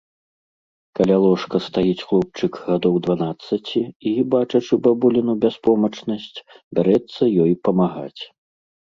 Каля ложка стаіць хлопчык гадоў дванаццаці і, бачачы бабуліну бяспомачнасць, бярэцца ёй памагаць.